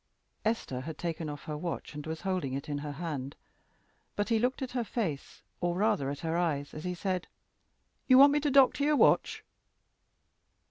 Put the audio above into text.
Esther had taken off her watch and was holding it in her hand. But he looked at her face, or rather at her eyes, as he said, "You want me to doctor your watch?"